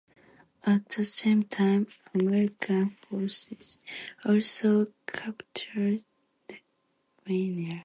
At the same time, American forces also captured Manila.